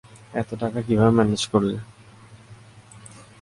এতো টাকা কীভাবে ম্যানেজ করলে?